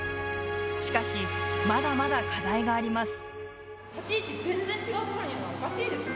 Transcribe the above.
しかしまだまだ課題があります。